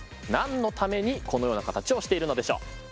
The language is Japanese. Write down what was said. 何のためにこのような形をしているのでしょう？